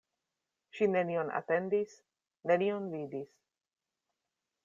Ŝi nenion atentis, nenion vidis.